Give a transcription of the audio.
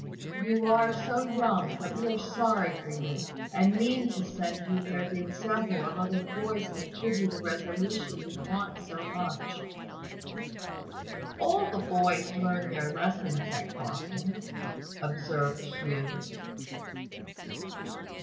You are so young that we are sorry for you, and mean to send you where the example of other boys may give you the resolution you want so much." "All the boys learn their lessons at Crofton," observed Hugh.